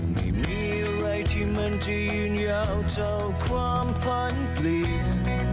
ไม่มีอะไรที่มันจะยืนยาวเท่าความฝันเปลี่ยน